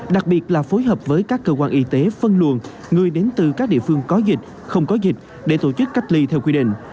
đặc biệt là phối hợp với các cơ quan y tế phân luồn người đến từ các địa phương có dịch không có dịch để tổ chức cách ly theo quy định